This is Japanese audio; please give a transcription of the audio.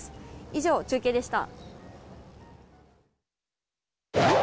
以上、中継でした。